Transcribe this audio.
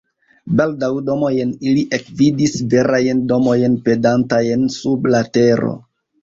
Baldaŭ domojn ili ekvidis, verajn domojn pendantajn sub la tero.